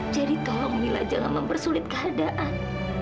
jadi tolong mila jangan mempersulit keadaan